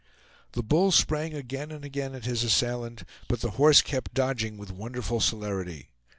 The bull sprang again and again at his assailant, but the horse kept dodging with wonderful celerity.